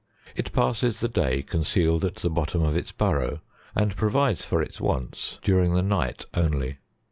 It passes the day concealed at the bottom of its burrow, and pro vides for its wants during the night only.